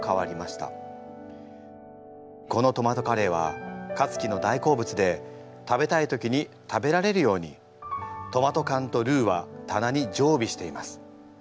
このトマトカレーはかつきの大好物で食べたい時に食べられるようにトマトかんとルーはたなにじょうびしています。